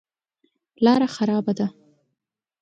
لاره خرابه ده.